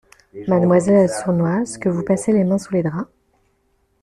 Mademoiselle la sournoise, que vous passez les mains sous les draps?